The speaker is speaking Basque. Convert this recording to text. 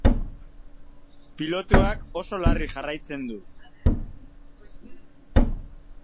Pilotuak oso larri jarraitzen du.